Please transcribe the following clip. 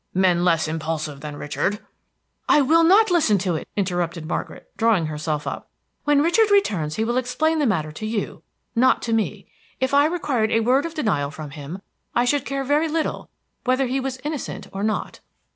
Men less impulsive than Richard" "I will not listen to it!" interrupted Margaret, drawing herself up. "When Richard returns he will explain the matter to you, not to me. If I required a word of denial from him, I should care very little whether he was innocent or not."